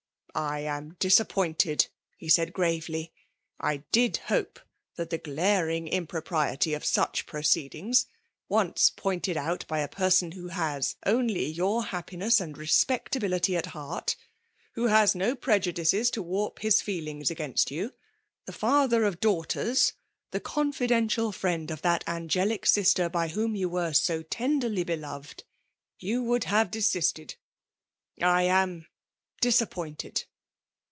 '' I am disappointed !'' said he gravely, I did hope that the glaring impropriety of sach proceedings^ once pointed out by a person who has only your happiness and respectability at heart, — who has no prejudices to warp his fBclings against you, — ^the father of dau^tee^ — ^the confidential friend of that angelic sister by whom you were so tenderly beloved, — you would have desisted. I am disappointed!